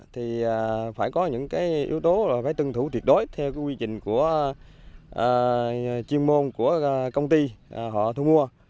thì phải có những cái yếu tố là phải tuân thủ tuyệt đối theo quy trình của chuyên môn của công ty họ thu mua